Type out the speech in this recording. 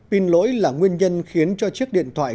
pin lỗi là nguyên nhân khiến cho chiếc điện thoại